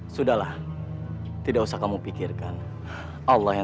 sudahlah tidak usah kamu pikirkan